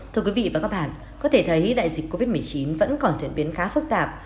thưa quý vị và các bạn có thể thấy đại dịch covid một mươi chín vẫn còn diễn biến khá phức tạp